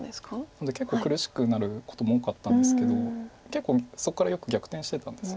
なので結構苦しくなることも多かったんですけどそこからよく逆転してたんです。